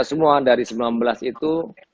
semua dari sembilan belas itu